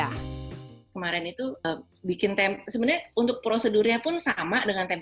kemarin itu bikin tempe sebenarnya untuk prosedurnya pun sama dengan tempe